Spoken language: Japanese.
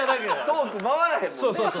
トーク回らへんもんね。